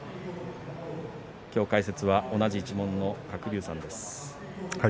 今日の解説は同じ一門の鶴竜さんです。